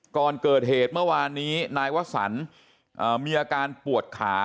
ก่อนเกิดเหตุเมื่อวานนี้นายวสันมีอาการปวดขา